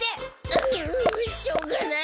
ううしょうがない。